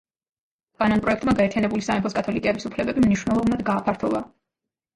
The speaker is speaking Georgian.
კანონპროექტმა გაერთიანებული სამეფოს კათოლიკეების უფლებები მნიშვნელოვნად გააფართოვა.